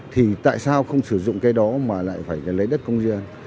thì tại sao không sử dụng cái đó mà lại phải lấy đất công dân